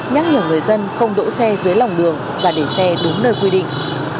nhắc nhở người dân không đỗ xe dưới lòng đường và để xe đúng nơi quy định